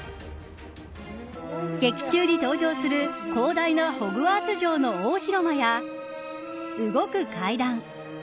劇中に登場する広大なホグワーツ城の大広間や動く階段。